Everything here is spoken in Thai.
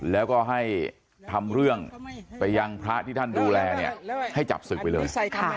แล้วก็ให้ทำเรื่องไปยังพระที่ท่านดูแลเนี่ยให้จับศึกไปเลย